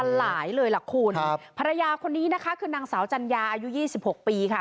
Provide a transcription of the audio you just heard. ฝันสันหลายเลยล่ะคุณภรรยาคนนี้นะคะคือนางสาวจัญญาอายุ๒๖ปีค่ะ